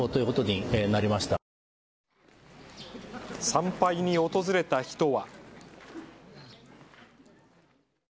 参拝に訪れた人は。